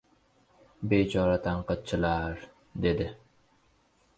"Bechora tanqidchilar, — dedi.